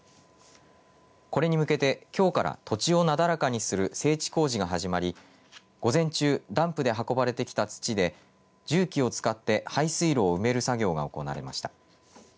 これに向けて、きょうから土地をなだらかにする整地工事が始まり、午前中ダンプで運ばれてきた土で重機を使って排水路を埋める作業が行われました。